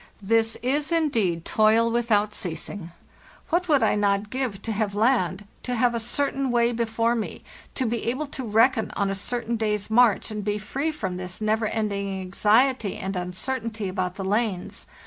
This is in deed toil without ceasing; what would I not give to have land, to have a certain way before me, to be able to reckon on a certain day's march, and be free from this never ending anxiety and uncertainty about the lanes.